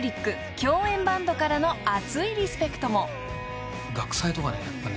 ［共演バンドからの熱いリスペクトも］